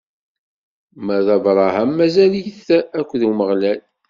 Ma d Abṛaham mazal-it akked Umeɣlal.